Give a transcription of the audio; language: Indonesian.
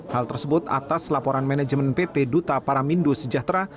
hal tersebut atas laporan manajemen pt duta paramindo sejahtera